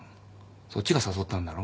そっちが誘ったんだろ？